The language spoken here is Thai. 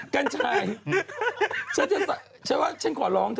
กัญชัยฉันจะฉันว่าฉันขอลองเถอะ